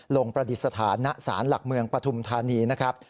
ประดิษฐานณศาลหลักเมืองปฐุมธานีนะครับ